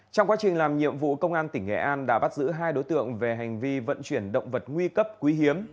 trong quá trình làm nhiệm vụ công an tỉnh nghệ an đã bắt giữ hai đối tượng về hành vi vận chuyển động vật nguy cấp quý hiếm